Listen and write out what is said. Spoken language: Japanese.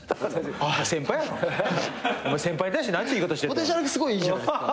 ポテンシャルがすごいいいじゃないですか。